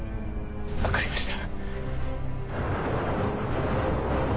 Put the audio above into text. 分かりました